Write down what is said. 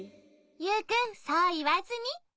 ユウくんそういわずに。